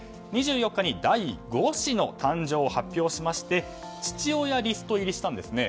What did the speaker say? ２４日に第５子の誕生を発表しまして父親リスト入りしたんですね。